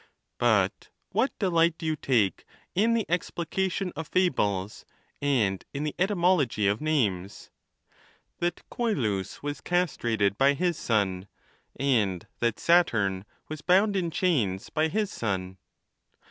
But what delight do you take in the explication of fa bles, and in the etymology of names? — that Ooelus was castrated by his son, and that Saturn was bound in chains by his son